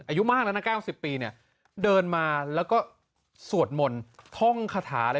อายุมากแล้วนะเก้าสิบปีเนี่ยเดินมาแล้วก็สวดหม่นท่องคาถาอะไร